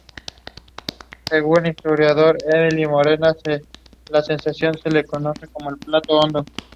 Avanzado este siglo comienza el abandono del castillo y su paulatina destrucción.